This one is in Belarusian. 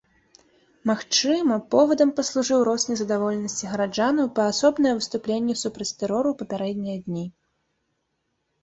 Магчыма, повадам паслужыў рост незадаволенасці гараджанаў і паасобныя выступленні супраць тэрору ў папярэднія дні.